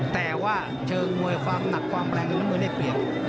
แต่ว่าเชิงมวยความหนักความแรงน้ำเงินได้เปรียบ